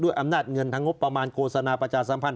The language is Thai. อำนาจเงินทางงบประมาณโฆษณาประชาสัมพันธ